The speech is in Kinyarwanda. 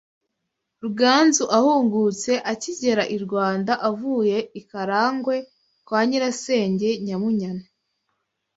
Ruganzu ahungutse akigera i Rwanda avuye i Kalagwe kwa Nyirasenge Nyabunyana